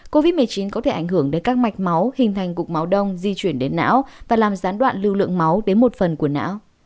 covid một mươi chín có thể ảnh hưởng đến các mạch máu hình thành cục máu đông di chuyển đến não và làm gián đoạn lưu lượng máu đến một phần của não